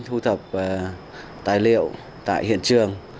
thu thập tài liệu tại hiện trường